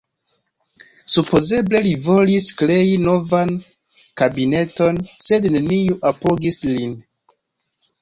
Supozeble li volis krei novan kabineton, sed neniu apogis lin.